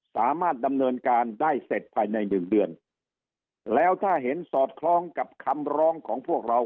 สามารถดำเนินการได้เสร็จภายในหนึ่งเดือนแล้วถ้าเห็นสอดคล้องกับคำร้องของพวกเรา